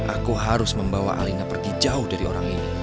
aku harus membawa alina pergi jauh dari orang ini